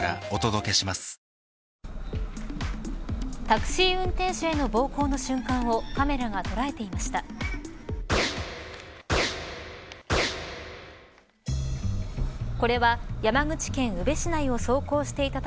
タクシー運転手への暴行の瞬間をカメラが捉えていました。